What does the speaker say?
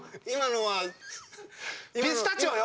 ピスタチオよ！